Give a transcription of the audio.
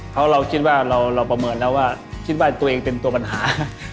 เพราะเราคิดว่าเราประเมินแล้วว่าคิดว่าตัวเองเป็นตัวปัญหา